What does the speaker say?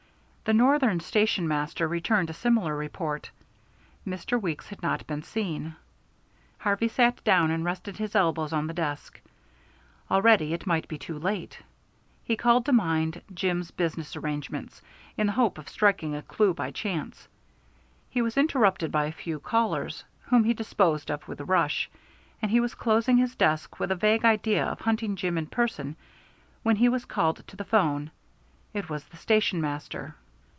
The Northern Station master returned a similar report: Mr. Weeks had not been seen. Harvey sat down and rested his elbows on the desk. Already it might be too late. He called to mind Jim's business arrangements, in the hope of striking a clew by chance. He was interrupted by a few callers, whom he disposed of with a rush; and he was closing his desk with a vague idea of hunting Jim in person when he was called to the 'phone. It was the station master.